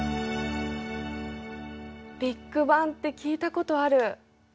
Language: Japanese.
ビッグバンって聞いたことある。